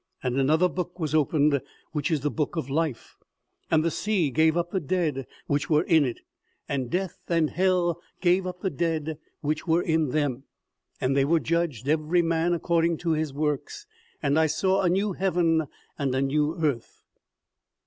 . and another book was opened, which is the Book of Life .. and the sea gave up the dead w r hich were in it : and death and VICTIMS OF THE PLAGUE. OMEGA. 139 hell gave up the dead which were in them : and they were judged every man according to his works ... and I saw a new heaven and a new earth."